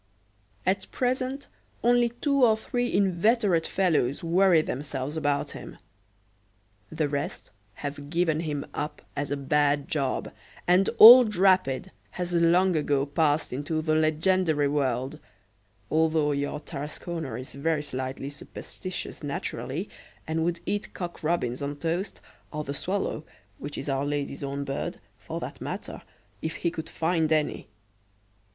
At present, only two or three inveterate fellows worry themselves about him. The rest have given him up as a bad job, and old Rapid has long ago passed into the legendary world, although your Tarasconer is very slightly superstitious naturally, and would eat cock robins on toast, or the swallow, which is Our Lady's own bird, for that matter, if he could find any.